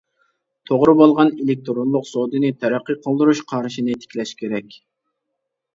توغرا بولغان ئېلېكتىرونلۇق سودىنى تەرەققىي قىلدۇرۇش قارىشىنى تىكلەش كېرەك.